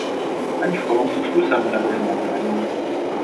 Ani v Columbusu se mu nevyhnula zranění.